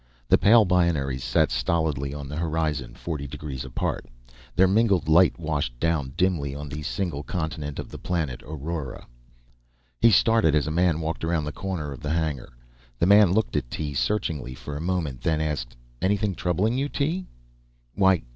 The pale binaries sat stolidly on the horizon, forty degrees apart. Their mingled light washed down dimly on the single continent of the planet, Aurora. He started, as a man walked around the corner of the hangar. The man looked at Tee searchingly for a moment, then asked, "Anything troubling you, Tee?" "Why